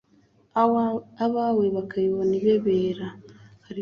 abawe bakayibona ibebera